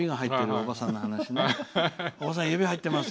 おばさん、指入ってますよ。